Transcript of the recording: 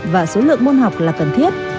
và lượng môn học là cần thiết